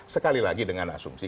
sekali lagi dengan asumsi